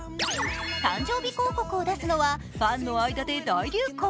誕生日広告を出すのはファンの間で大流行。